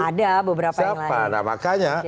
ada beberapa yang lain